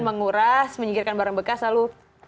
menguras menyingkirkan barang bekas lalu